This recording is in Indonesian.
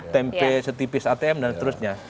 tempe setipis atm dan seterusnya